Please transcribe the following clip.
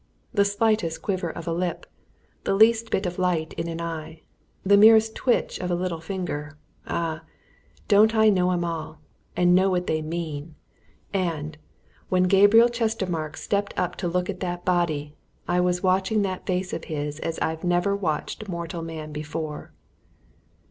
The slightest quiver of a lip the least bit of light in an eye the merest twitch of a little finger ah! don't I know 'em all, and know what they mean! And, when Gabriel Chestermarke stepped up to look at that body, I was watching that face of his as I've never watched mortal man before!"